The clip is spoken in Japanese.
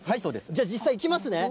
じゃあ、実際いきますね。